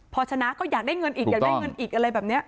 พอชนะก็อยากได้เงินอีกอยากได้เงินอีกอะไรแบบนี้